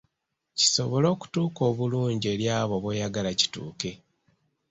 Kisobole okutuuka obulungi eri abo b’oyagala kituuke.